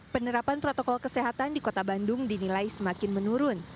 penerapan protokol kesehatan di kota bandung dinilai semakin menurun